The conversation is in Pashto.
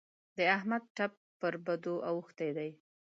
د احمد ټپ پر بدو اوښتی دی.